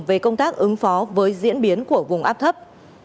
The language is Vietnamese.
về công tác ứng phó với diễn biến của vùng áp thấp